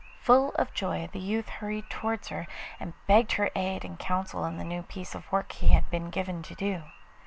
Full of joy the youth hurried towards her, and begged her aid and counsel in the new piece of work he had been given to do.